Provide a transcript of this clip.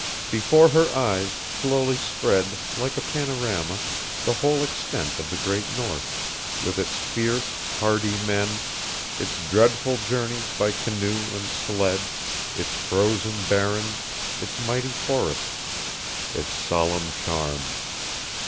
Before her eyes slowly spread, like a panorama, the whole extent of the great North, with its fierce, hardy men, its dreadful journeys by canoe and sledge, its frozen barrens, its mighty forests, its solemn charm.